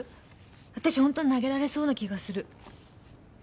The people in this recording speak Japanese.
あたし本当に投げられそうな気がする。